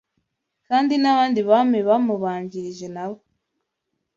Kandi n’abandi Bami bamubanjirije nabo